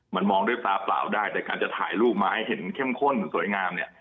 มันมองด้วยตาเปล่าได้แต่การจะถ่ายรูปมาให้เห็นเข้มข้นสวยงามเนี่ย